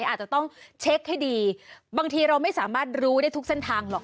อาจจะต้องเช็คให้ดีบางทีเราไม่สามารถรู้ได้ทุกเส้นทางหรอก